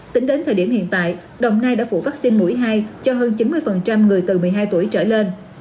tính đến thời điểm hiện tại đồng nai đã phủ vắc xin mũi hai cho hơn chín mươi người từ một mươi hai tuổi trở lên